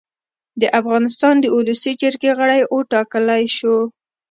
د افغانستان د اولسي جرګې غړی اوټاکلی شو